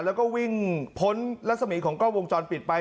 แล้วก็วิ่งพ้นรัศมีของกล้องวงจรปิดไป